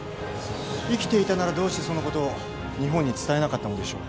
生きていたならどうしてそのことを日本に伝えなかったのでしょう？